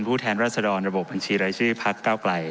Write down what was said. ผู้แทนรัศดรรมระบบบัญชีรายชีภักดิ์ก้าวไกล